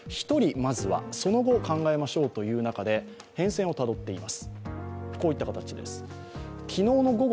まずは、その後考えましょうという中で変遷をたどっています。